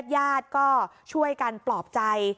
ญาติก็ช่วยกันปลอบใจ